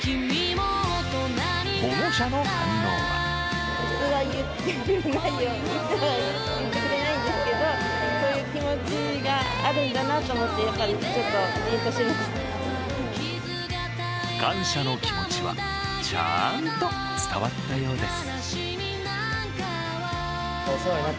保護者の反応は感謝の気持ちはちゃんと伝わったようです。